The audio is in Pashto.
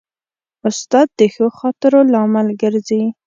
استاد د ښو خاطرو لامل ګرځي.